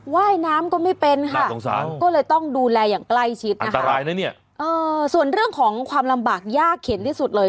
ว่ายน้ำก็ไม่เป็นค่ะก็เลยต้องดูแลอย่างใกล้ชิดนะคะส่วนเรื่องของความลำบากยากเข็นที่สุดเลย